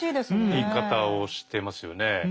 言い方をしてますよね。